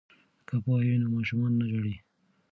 که پوهه وي نو ماشوم نه ژاړي.